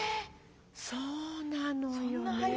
そうなのよね。